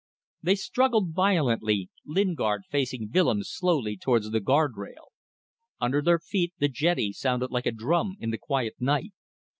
They struggled violently, Lingard forcing Willems slowly towards the guard rail. Under their feet the jetty sounded like a drum in the quiet night.